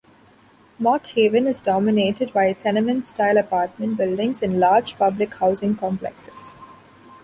Mott Haven is dominated by tenement-style apartment buildings and large public housing complexes.